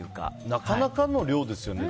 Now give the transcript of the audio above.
なかなかの量ですよね